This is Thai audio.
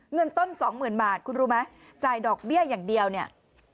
เงินต้นสองหมื่นบาทคุณรู้ไหมจ่ายดอกเบี้ยอย่างเดียวเนี่ย